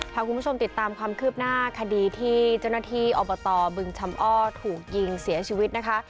พาคุณผู้ชมติดตามความคืบหน้าคดีที่เจ้าหน้าที่อบตบึงชำอ้อถูกยิงเสียชีวิตนะคะ